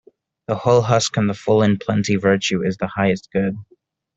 The hull husk and the full in plenty Virtue is the highest good.